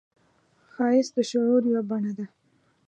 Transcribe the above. ښایست د شعور یوه بڼه ده